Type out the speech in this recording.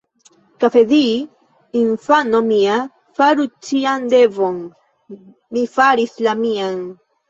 Kafedji, infano mia, faru cian devon: mi faris la mian.